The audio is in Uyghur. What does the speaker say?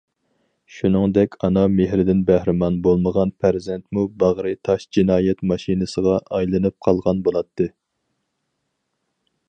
شۇنىڭدەك ئانا مېھرىدىن بەھرىمەن بولمىغان پەرزەنتمۇ باغرى تاش جىنايەت ماشىنىسىغا ئايلىنىپ قالغان بولاتتى.